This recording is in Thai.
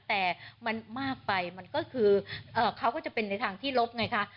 แต่มันมากไปมันก็คือเขาก็จะเป็นในทางที่ลบไงคะ